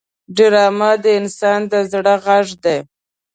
ډرامه د انسان د زړه غږ دی